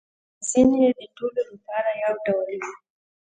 ځینې يې د ټولو لپاره یو ډول وي